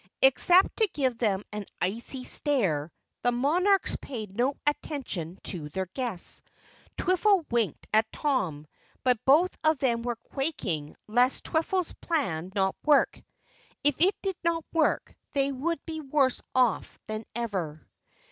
Except to give them an icy stare, the monarchs paid no attention to their guests. Twiffle winked at Tom, but both of them were quaking lest Twiffle's plan might not work. If it did not work, they would be worse off than ever.